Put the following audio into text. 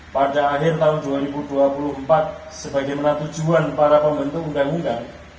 pada akhir tahun dua ribu dua puluh empat sebagaimana tujuan para pembentuk undang undang